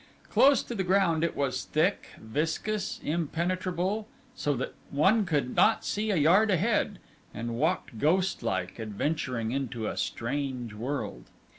Close to the ground it was thick, viscous, impenetrable, so that one could not see a yard ahead, and walked ghostlike, adventuring into a strange world.